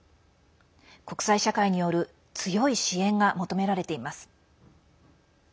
国際社会による強い支援が求められています。